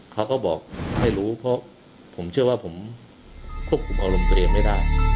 เขาก็บอกไม่รู้เพราะผมเชื่อว่าผมควบคุมอารมณ์ตัวเองไม่ได้